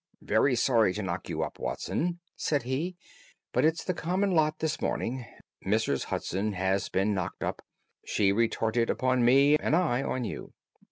"Very sorry to knock you up, Watson," said he, "but it's the common lot this morning. Mrs. Hudson has been knocked up, she retorted upon me, and I on you."